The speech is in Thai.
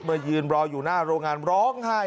ยืนรออยู่หน้าโรงงานร้องไห้